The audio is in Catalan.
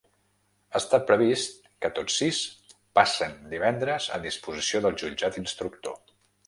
Està previst que tots sis passen divendres a disposició del jutjat instructor.